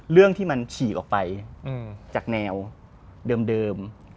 เรื่องที่มันฉี่ออกไปจากแนวเดิม